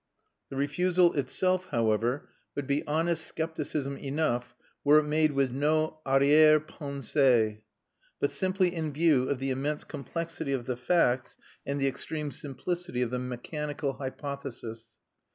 The refusal itself, however, would be honest scepticism enough were it made with no arrière pensée, but simply in view of the immense complexity of the facts and the extreme simplicity of the mechanical hypothesis.